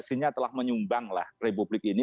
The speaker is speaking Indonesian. versinya telah menyumbanglah republik ini